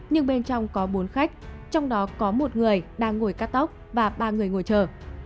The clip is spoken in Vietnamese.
nhưng bên trong có bốn khách trong đó có một người đang ngồi cao tốc và ba người ngồi chờ